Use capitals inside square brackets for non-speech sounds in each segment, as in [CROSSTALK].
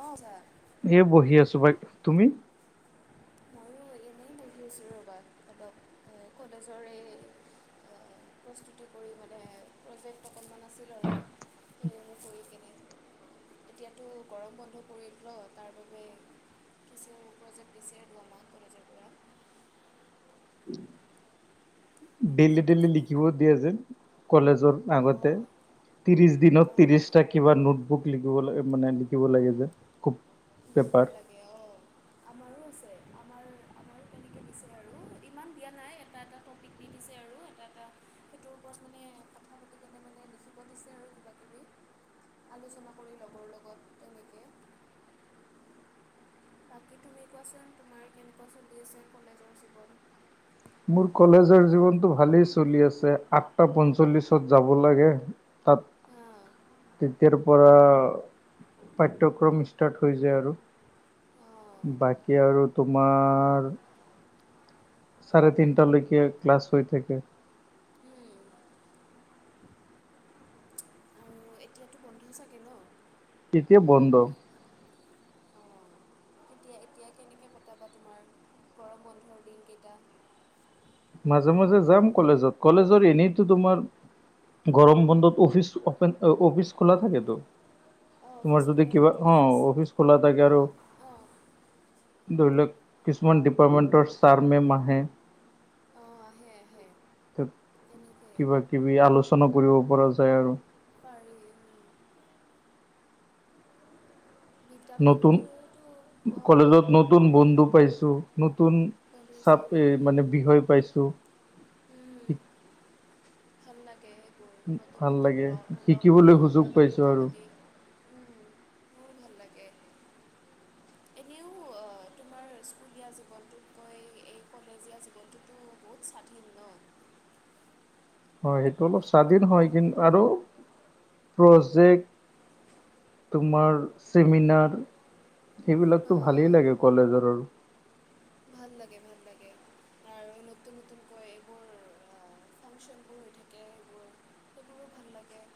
অ sir. এ বহি আছো বাই, তুমি? ময়ো এনেই মই বহি আছোঁ ৰ'বা অলপ কলেজৰে প্ৰস্তুতি কৰি বলে প্ৰজেক্ট অকণমান আছিল আৰু [UNINTELLIGIBLE] এতিয়াতো গৰম বন্ধ পৰিল ন তাৰ বাবে কিছু প্ৰজেক্ট দিছে। আমাক কলেজৰ পৰা দেল্লি দেল্লি লিখিব দিয়া যেন কলেজৰ আগতে, অঁ ত্ৰিশ দিনত অঁ ত্ৰিশটা কিবা নোট বুক লিখিব লাগে মানে লিখিব লাগে যে খুব। লিখিব পেপাৰ লাগে অ আমাৰো আছে আমাৰ আমাৰ তেনেকৈ দিছে আৰু ইমান দিয়া নাই এটা এটা টপিক দি দিছে আৰু এটা এটা সেইটোৰ ওপৰত মানে কথা পাতি কেনে মানে লিখিব দিছে আৰু কিবা কিবি। আলোচনা কৰি লগৰ লগত বাকী তুমি এতিয়া চোন, তোমাৰ কেনেকুৱা চলি আছে ক'লেজত? মোৰ কলেজৰ জীৱনতটো ভালেই চলি আছে আঠটা পঞ্চল্লিশত যাব লাগে। তাত অঁ তেতিয়াৰ পৰা পাঠ্যক্ৰম ষ্টাৰ্ট হৈ যায় আৰু অঁ বাকী আৰু তোমাৰ চাৰে তিনটালৈকে ক্লাছ হৈ থাকে। আৰু এতিয়াতো বন্ধ চাগে ন? এতিয়া বন্ধ। অঁ এতিয়া এতিয়া কেনেকে কতাবা তোমাৰ গৰম বন্ধুৰ দিন কেইটা? মাজে মাজে যাম কলেজত কলেজৰ এনেইতো তোমাৰ গৰম বন্ধত অফিচ অপেন অফিচ খোলা থাকেত। অঁ অফিচ তোমাৰ যদি খোলা কিবা, থাকে অ অফিচ খোলা থাকে আৰু অঁ অঁ ধৰি লওক কিছুমান ডিপাৰ্টমেণ্টৰ ছাৰ মেম আহে। অ আহে আহে। তে তেনেকৈ কিবা কিবি আলোচনা কৰিব পৰা যায় আৰু। পাৰি উম, নতুন বিদ্যালয়ততো অঁ কোৱা কলেজত নতুন বন্ধু পাইছো, নতুন চাপ গ্ৰেজুৱেশ্যন এই মানে বিষয় পাইছোঁ। উম ভাল লাগে সেইবোৰ নতুন ভাল নতুন লাগে লগ শিকিবলৈ সুযোগ বন্ধুবোৰৰ লগত পাইছো কথা আৰু পাতি। বহুত ভাল লাগে। এনেও তোমাৰ স্কুলীয়া জীৱনটোত কৈ এই কলেজীয়া জীৱনটো বহুত স্বাধীন ন? হয় সেইটো অলপ স্বাধীন হয় কিন্তু আৰু প্ৰজেক্ট তোমাৰ চেমিনাৰ সেইবিলাকতো ভালেই অঁ লাগে কলেজৰ আৰু ভাল লাগে ভাল লাগে তাৰ নতুন নতুনকৈ এইবোৰ ফংচন বোৰ হৈ থাকে সেইবোৰ সববোৰ ভাল লাগে।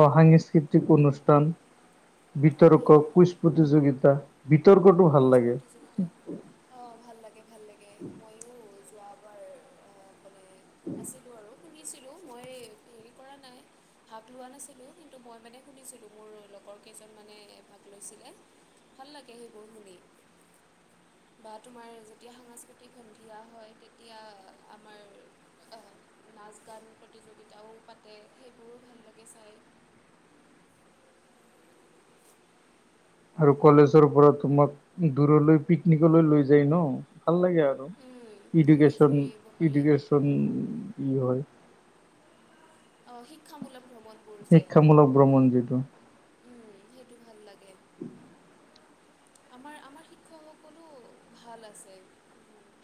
অ সাংস্কৃতিক অনুষ্ঠান অঁ বিতৰ্ক সেইবোৰ কুইছ প্ৰতিযোগিতা বিতৰ্কটো ভাল কুইজ লাগে। প্ৰতিযোগিতাত অঁ ভাল লাগে ভাল লাগে ময়ো যোৱাবাৰ আৰু আছিলো আৰু শুনিছিলো মই হেৰি কৰা নাই। ভাগ লোৱা নাছিলোঁ কিন্তু মই মানে শুনিছিলোঁ মোৰ লগৰ কেইজন মানে ভাগ লৈছিলে। ভাল লাগে সেইবোৰ শুনি। বা তোমাৰ যেতিয়া সাংস্কৃতিক সন্ধিয়া হয় তেতিয়া আমাৰ অ নাচ গান প্ৰতিযোগিতাও পাতে সেইবোৰো ভাল লাগে চায় আৰু কলেজৰ পৰা তোমাক দূৰলৈ পিকনিকলৈ লৈ যায় ন ভাল লাগে আৰু উম, ঘূৰি ইডুকেশ্বন ফুৰিব পাৰি ইডুকেশ্বন ই হয় অ শিক্ষামূলক ভ্ৰমণ শিক্ষামূলক ভ্ৰমণ যিটো উম সেইটো ভাল লাগে আমাৰ আমাৰ শিক্ষকসকলো ভাল আছে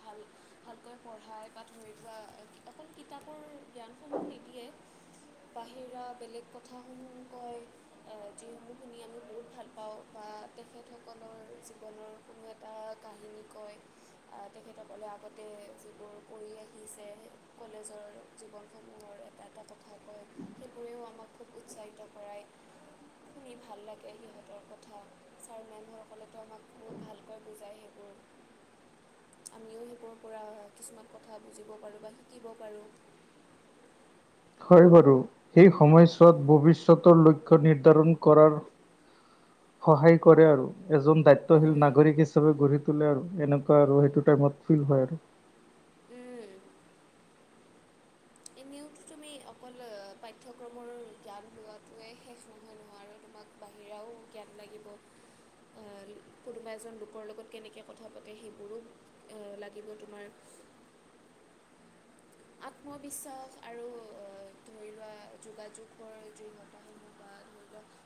ভাল ভালকৈ পঢ়াই বা ধৰি লোৱা অকল কিতাপৰ জ্ঞানসমূহ নিদিয়ে বাহিৰা বেলেগ কথাসমূহ কয় আ যিসমূহ শুনি আমি বহুত ভাল পাওঁ বা তেখেতক কলৰ জীৱনৰ কোনো এটা কাহিনী কয় আ তেখেতসকলে আগতে যিবোৰ কৰি আহিছে কলেজৰ জীৱনসমূহৰ এটা এটা কথা কয় সেইবোৰেও আমাক খুব উৎচাহিত কৰায় শুনি ভাল লাগে সিহঁতৰ কথা ছাৰ মেম বসকলেতো আমাক বহুত ভালকৈ বুজায় সেইবোৰ আমিও সেইবোৰৰ পৰা আ কিছুমান কথা বুজিব পাৰোঁ বা শিকিব পাৰোঁ হয় বাৰু সেই সময়ছোৱাত ভৱিষ্যতৰ লইক ক্ষ্য নিৰ্ধাৰণ কৰাৰ সহায় কৰে আৰু এজন দায়িত্বশীল নাগৰিক হিচাপে গঢ়ি তোলে আৰু এনেকুৱা আৰু সেইটো টাইমত ফিল হয় আৰু উম এনেও টো তুমি অকল অ পাঠ্যক্ৰমৰ জ্ঞান লোৱাটোৱে শেষ নহয় নহয় আৰু আমাক বাহিৰাও জ্ঞান লাগিব আ কোনোবা এজন লোকৰ লগত কেনেকে কথা পাতে সেইবোৰো এ লাগিব তোমাৰ [INAUDIBLE] আত্মবিশ্বাস আৰু অ ধৰি লোৱা যোগাযোগৰ যি নতুন [UNINTELLIGIBLE] ধৰি লোৱাক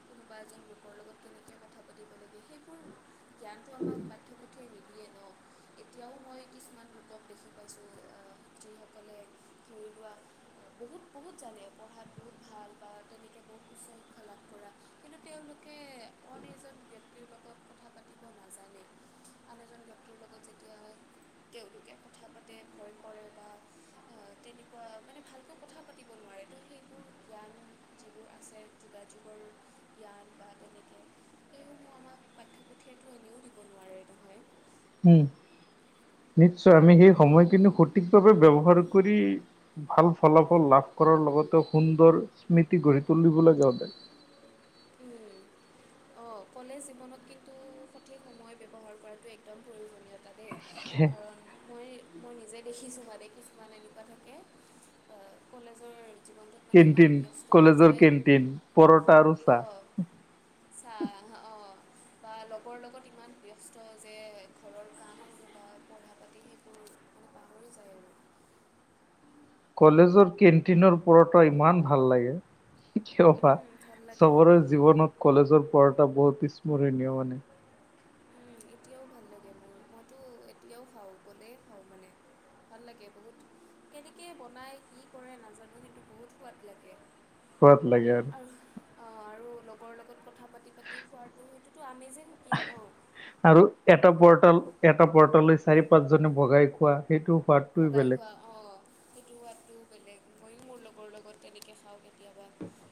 কোনোবা এজন লোকৰ লগত কেনেকৈ কথা পাতিব লাগে সেইবোৰ জ্ঞানটো আমাক পাঠ্যপুথিয়ে নিদিয়ে ন এতিয়াও মই কিছুমান লোকক দেখি পাইছোঁ আ যিসকলে ধৰি লোৱা বহুত বহুত জানে পঢ়াত বহুত ভাল বা তেনেকে বহুতো তথ্য লাভ কৰা কিন্তু তেওঁলোকে অন এজন ব্যক্তি লগত কথা পাতিব না জানে আন এজন ব্যক্তিৰ লগত যে তেওঁলোকে কথা পাতে ভয় কৰে বা আ তেনেকুৱা মানে ভালকৈ কথা পাতিব নোৱাৰে ত সেইবোৰ জ্ঞান যিবোৰ আছে যোগাযোগৰ জ্ঞান বা তেনেকে এইসমূহ আমাক পাঠ্য পুঠিয়েটো এনেও দিব নোৱাৰে ন উম নিশ্চয় আমি সেই সময় কিনি সঠিকভাৱে ব্যৱহাৰ কৰি ভাল ফলাফল লাভ কৰাৰ লগতে সুন্দৰ স্মৃতি গঢ়ি তুলিবলৈ যাওঁতে [UNINTELLIGIBLE] অঁ কলেজ জীৱনত কিন্তু সঠিক সময় ব্যৱহাৰ কৰাটো একদম প্ৰয়োজনীয়তা দেই খে কাৰণ মই মই নিজে দেখিছোঁ মানে কিছুমান এনেকুৱা থাকে আ কলেজৰ জীৱনটো কেণ্টিন কলেজৰ কেণ্টিন পৰটা আৰু চাহ। অঁ। চাহ অঁ' বা লগৰ লগত ইমান ব্যস্ত যে ঘৰৰ কাম বা পঢ়া পাতি সেইটো পাহৰি যায় আৰু। কলেজৰ কেণ্টিনৰ পঢ়ত ইমান ভাল লাগে। কিয় বা উম, ভাল লাগে চবৰে জীৱনত কলেজৰ পঢ়টা বহুত স্মৰণীয় মানে। উমঁ' এতিয়াও ভাল লাগে মোৰ, মইতো এতিয়াও খাওঁ গ'লেই খাওঁ মানে। ভাল লাগে বহুত। কেনেকৈ বনায় কি কৰে নাজানো সেইটো বহুত সোৱাদ লাগে। সোৱাত লাগে আৰু। আৰু আৰু লগৰ লগত কথা পাতি পাতি খোৱাটো সেইটোতো আমেজিং সুকীয়া ন'। আৰু এটা পৰতা এটা পৰতা লৈ চাৰি পাঁচজনে ভগাই খোৱা সেইটো সোৱাদটোৱেই ভগাই বেলেগ। খোৱা অঁ' সেইটো সোৱাদটো বেলেগ, মইও মোৰ লগৰ লগত তেনেকৈ খাওঁ কেতিয়াবা।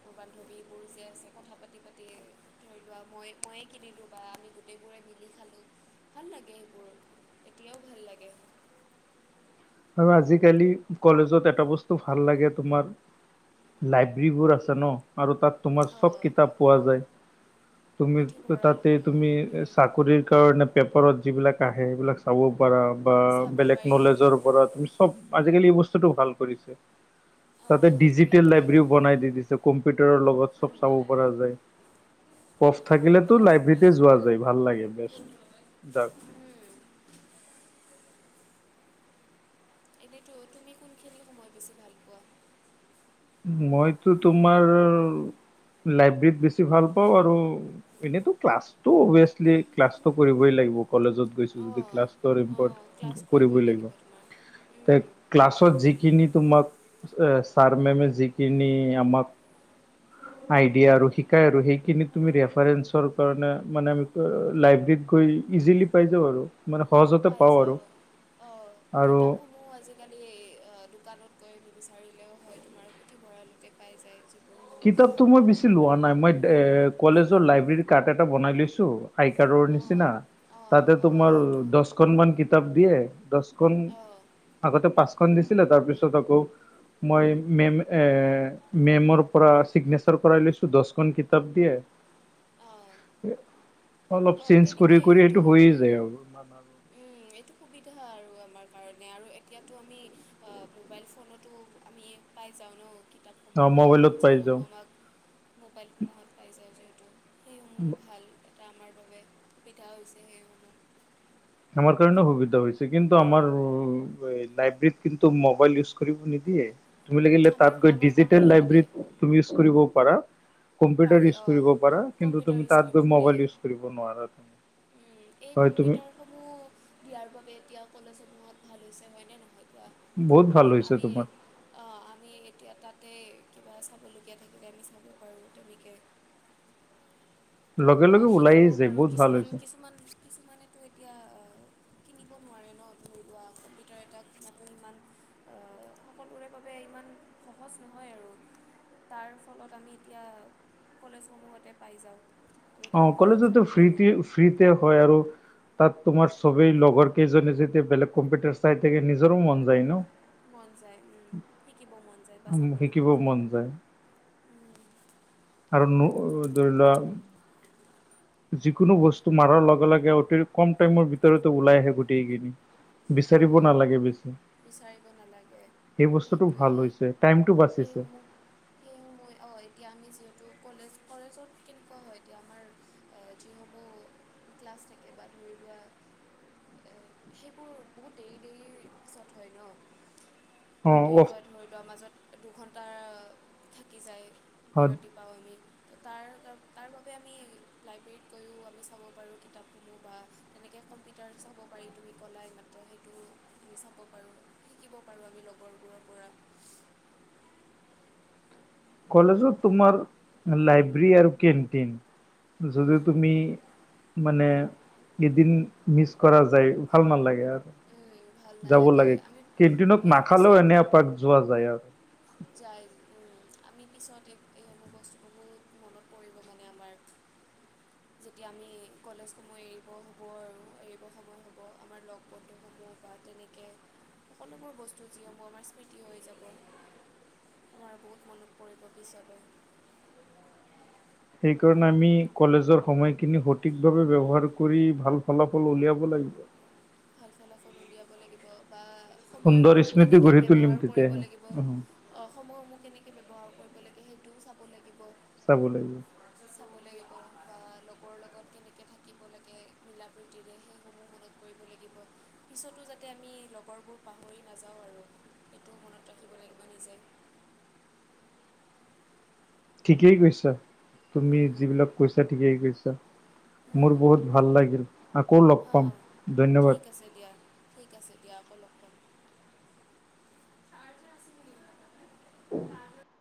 মোৰ বান্ধৱীবোৰ যে আছে কথা পাতি পাতি হয়তো মই মইয়ে কিনিলো বা আমি গোটেইবোৰে মিলি খালো। ভাল লাগে সেইবোৰ এতিয়াও ভাল লাগে। আৰু আজিকালি কলেজত এটা বস্তু ভাল লাগে তোমাৰ লাইব্ৰেৰীবোৰ আছে ন' আৰু তাত তোমাৰ চ'ব অঁ কিতাপ পোৱা যায়। তুমি তাতে পুথিভঁৰালসমূহ তুমি উম, চাকৰিৰ কাৰণে পেপাৰত যিবিলাক আহে সেইবিলাক চাব পাৰা। বা চাব বেলেগ পাৰি নলেজৰ ওপৰত চ'ব আজিকালি এই বস্তুটো ভাল কৰিছে তাতে অঁ সেইটোৱে ডিজিটেল হয় লাইব্ৰেৰীও বনাই দি দিছে কম্পিউটাৰৰ লগত উম চ'ব উম, চাব পৰা যায়। প্ৰফ থাকিলেতো লাইব্ৰেৰী যোৱা যায় ভাল লাগে বেষ্ট। এনেইতো তুমি কোনখিনি সময় বেছি ভাল পোৱা? মইতো তোমাৰ লাইব্ৰেৰীত বেছি ভাল পাওঁ আৰু এনেইতো ক্লাছটো হৈ আছিলে ক্লাছটো কৰিবই লাগিব কলেজত গৈছোঁ যদি অঁ ক্লাছৰ অঁ ক্লাছ কৰিবই লাগিব। তোমাৰ উম ক্লাছত যিখিনি তোমাক ছাৰ মে'মে যিখিনি আমাক আইডিয়া আৰু শিকাই আৰু সেইখিনি তুমি ৰেফাৰেঞ্চৰ কাৰণে মানে আমি লাইব্ৰেৰীত গৈ ইজিলি পাই যাওঁ আৰু মানে সহজতে পাই পাওঁ আৰু। যাওঁ আৰু কিতাপসমূহ অঁ' আজিকালি দোকানত গৈ বিচাৰিলেও হয়। তোমাৰ পুথিভঁৰালতে পাই যায় যিকোনো কিতাপতো মই বেছি লোৱা নাই মই এ কলেজৰ লাইব্ৰেৰী কাৰ্ড এটা বনাই লৈছো। আইকাডৰ অঁ নিচিনা- তাতে অঁ। অঁ তোমাৰ সেইটো দহখন মান কিতাপ দিয়ে। দহখন অঁ আগতে পাঁচখন দিছিলে তাৰ পিছত আকৌ মই মে'ম এ মেমৰ পৰা চিগনেচাৰ কৰাই লৈছো দহখন কিতাপ অঁ দিয়ে। অলপ অঁ চেঞ্জ কৰি তেনেকৈ কৰি সেইটো হৈয়ে যায় আৰু। উমঁ' এইটো সুবিধা আৰু আমাৰ কাৰণে আৰু এতিয়াতো আমি আহ' মোবাইল ফোনতো আমি পাই যাওঁ ন' কিতাপ অ বা মোবাইলত পাই যাওঁ যিসমূহ আমাক মোবাইফোনক পাই যায় যিহেতু সেই [UNINTELLIGIBLE] ভাল এটা আমাৰ বাবে সুবিধা হৈছে। সেই আমাৰ কাৰণে সুবিধা হৈছে কিন্তু আমাৰ লাইব্ৰেৰীত কিন্তু মোবাইল ইউজ কৰিব নিদিয়ে। তুমি লাগিলে আমাৰ তাত গৈ আমাৰ আমাৰো ডিজিটেল নিদিয়ে লাইব্ৰেৰীত তুমি ইউজ কৰিব পাৰা কম্পিউটাৰ পাৰি ইউজ অঁ কৰিব পাৰা কিন্তু কম্পিউটাৰ তুমি ইউজ তাত কৰিব গৈ পাৰি মবাইল ইউজ কৰিব নোৱাৰা এই হয় তুমি কম্পিউটাৰসমূহ দিয়াৰ বাবে এতিয়া কলেজসমূহত ভাল হৈছে হয়নে নহয় বা বহুত ভাল কাৰণ হৈছে আমি তোমাৰ অ আমি এতিয়া তাতে কিবা চাবলগীয়া থাকিলে আমি চাব পাৰোঁ গতিকে লগে বা লগে ওলাই শিকিবও যায় পাৰো বহুত ভাল কিছুমান হৈছে কিছুমান কিছুমানেতো এতিয়া কিনিব নোৱাৰে ন ধৰি লোৱা কম্পিউটাৰ এটা কিনাটো ইমান আ সকলোৰে বাবে ইমান সহজ নহয় আৰু তাৰ ফলত আমি এতিয়া কলেজসমূহতে পাই যাওঁ আমি অ তাৰ পৰাও চাব কলেজতো পাৰোঁ ফ্ৰীতে ফ্ৰীতে হয় আৰু তাত তোমাৰ চবেই লগৰ কেইজনি যেতিয়া বেলেগ কম্পিউটাৰ চাই থাকে নিজৰো মন যায় ন মন যায় উম শিকিব মন যায় বা চাবলৈ মন যায় আৰু ন ধৰি লোৱা যিকোনো বস্তু মাৰাৰ লগে লগে অতি কম টাইমৰ ভিতৰতে ওলাই আহে গোটেইখিনি বিচাৰিব নালাগে বেছি বিচাৰিব নালাগে সেই বস্তুটো সেইটোৱে ভাল সেই হৈছে টাইমটো বাচিছে সেইসমূহ সেই সমূহ অ এতিয়া আমি যিহেতু কলেজ কলেজত কেনেকুৱা হয় এতিয়া আমাৰ এ যিসমূহ ক্লাছ থাকে বা ধৰি লোৱা সেইবোৰ বহুত দেৰি দেৰি পিছত হয় ন অ বহুত দেৰি অফ কৰে ধৰি লোৱা মাজত দুঘণ্টা থাকি যায় বিৰতি বা আমি তাৰ তাৰ বাবে আমি লাইব্ৰেৰীত গৈও আমি চাব পাৰোঁ কিতাপ বা তেনেকে কম্পিউটাৰ চাব পাৰি তুমি ক'লাই এইমাত্ৰ সেইটো আমি চাব পাৰোঁ শিকিব পাৰোঁ আমি লগৰবোৰৰ পৰা কলেজত তোমাৰ লাইব্ৰেৰী আৰু কেনণ্টিন যদি পৰা তুমি মানে এদিন মিচ কৰা যায় ভাল নালাগে আৰু উম, ভাল যাব নালাগে লাগে আমি আমি কেণ্টিনত নাখালেও পিছত এনে এপাক যোৱা যায় আৰু যায় উম আমি পিছত এই এইসমূহ বস্তুসমূহ মনত পৰিব মানে আমাৰ যেতিয়া আমি কলেজসমূহ এৰিব হ'ব আৰু এৰিব সময় আকৌ আমাৰ লগ বন্ধুসমূহ বা তেনেকে সকলোবোৰ বস্তু যিসমূহ আমাৰ স্মৃতি হৈ যাব মই বহুত মনত পৰিব পিচলে সেইকাৰণে আমি কলেজৰ সময়খিনি সঠিক ভাৱে ব্যৱহাৰ কৰি ভাল ফলাফল উলিয়াব লাগে ভাল ফলাৰফল সময় উলিয়াব লাগিব বা সুন্দৰ সময়সমূহ স্মৃতি কেনেকে গঢ়ি তুলিম ব্যৱহাৰ কৰিব লাগিব তেতিয়াহে অ সময়সমূহ কেনেকে ব্যৱহাৰ কৰিব লাগে সেইটোও চাব লাগিব চাব লাগে চাব লাগিব বা লগৰ লগত কেনেকে থাকিব লাগে মিলা প্ৰীতিৰে সেইসমূহ মনত পৰিব লাগিব পিছতো যাতে আমি লগৰবোৰ পাহৰি নাযাওঁ আৰু সেইটো মনত ৰাখিব লাগিব নিজে ঠিকেই কৈছা তুমি যিবিলাক কৈছা ঠিকেই কৈছা মোৰ বহুত ভাল লাগিল আকৌ লগ [INAUDIBLE] অঁ ধন্যবাদ ঠিক আছে দিয়া। ঠিক আছে দিয়া আকৌ লগ পাম। পাম